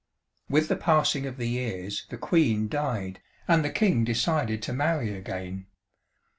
"With the passing of the years the Queen died, and the King decided to marry again.